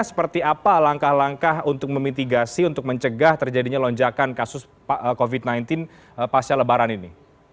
seperti apa langkah langkah untuk memitigasi untuk mencegah terjadinya lonjakan kasus covid sembilan belas pasca lebaran ini